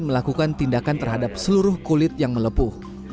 dan melakukan tindakan terhadap seluruh kulit yang melepuh